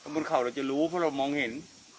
บนเขาละจะรู้เพราะละจะมองเห็น